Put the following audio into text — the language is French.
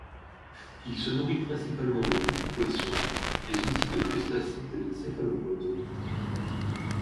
Il se nourrit principalement de petits poissons mais aussi de crustacés et de céphalopodes.